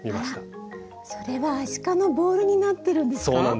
あらそれはアシカのボールになってるんですか？